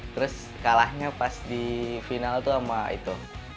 terus kalahnya pas di final tuh sama itu